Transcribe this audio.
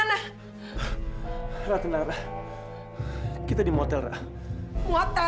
sampai jumpa di video selanjutnya